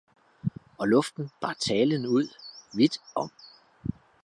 Og luften bar talen ud, vidt om.